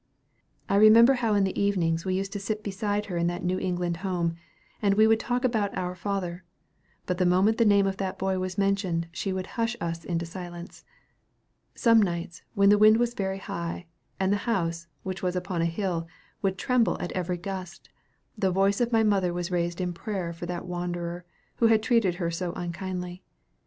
I remember how in the evenings we used to sit beside her in that New England home, and we would talk about our father; but the moment the name of that boy was mentioned she would hush us into silence. Some nights, when the wind was very high, and the house, which was upon a hill, would tremble at every gust, the voice of my mother was raised in prayer for that wanderer, who had treated her so unkindly.